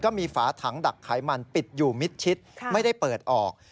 ฝาถังดักไขมันปิดอยู่มิดชิดไม่ได้เปิดออก